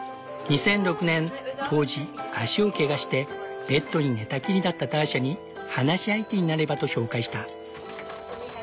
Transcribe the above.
２００６年当時足をけがしてベッドに寝たきりだったターシャに話し相手になればと紹介した。